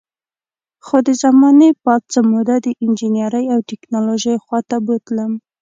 خو د زمانې باد څه موده د انجینرۍ او ټیکنالوژۍ خوا ته بوتلم